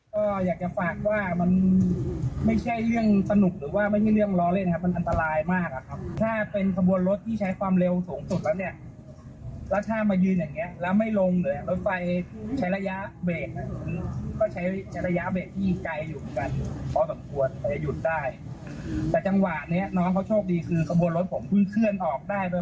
ก็อยากจะฝากว่ามันไม่ใช่เรื่องสนุกหรือว่าไม่ใช่เรื่องล้อเล่นครับมันอันตรายมากอะครับถ้าเป็นขบวนรถที่ใช้ความเร็วสูงสุดแล้วเนี่ยแล้วถ้ามายืนอย่างเงี้ยแล้วไม่ลงเลยรถไฟใช้ระยะเบรกนะผมก็ใช้ระยะเบรกที่ไกลอยู่เหมือนกันพอสมควรแต่จะหยุดได้แต่จังหวะเนี้ยน้องเขาโชคดีคือขบวนรถผมเพิ่งเคลื่อนออกได้โดย